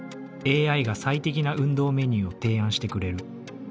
ＡＩが最適な運動メニューを提案してくれる。